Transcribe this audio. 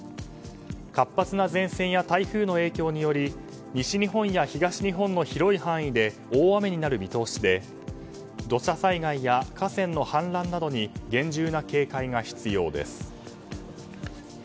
活発な前線や台風の影響により西日本や東日本の広い範囲で大雨になる見通しで土砂災害や河川の氾濫などに厳重な警戒が必要です。